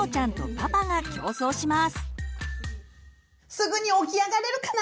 すぐにおきあがれるかな？